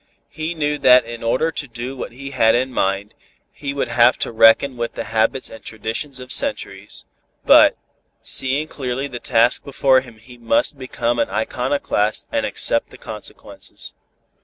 He knew that in order to do what he had in mind, he would have to reckon with the habits and traditions of centuries, but, seeing clearly the task before him he must needs become an iconoclast and accept the consequences.